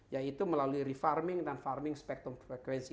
yaitu melalui refarming dan farming spektrum frekuensi